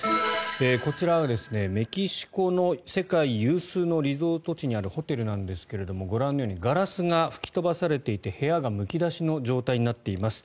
こちらはメキシコの世界有数のリゾート地にあるホテルなんですがご覧のようにガラスが吹き飛ばされていて部屋がむき出しの状態になっています。